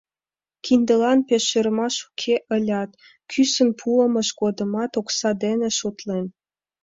Киндылан пеш ӧрмаш уке ылят, кӱсын пуымыж годымат окса дене шотлен.